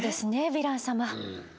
ヴィラン様。